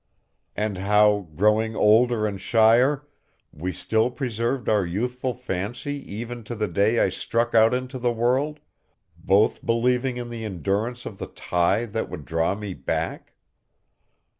And how, growing older and shyer, we still preserved our youthful fancy even to the day I struck out into the world, both believing in the endurance of the tie that would draw me back?